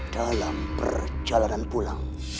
dalam perjalanan pulang